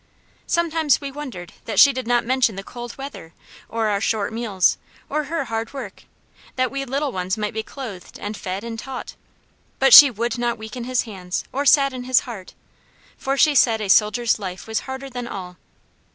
Sometimes we wondered that she did not mention the cold weather, or our short meals, or her hard work, that we little ones might be clothed, and fed, and taught. But she would not weaken his hands, or sadden his heart, for she said a soldier's life was harder than all.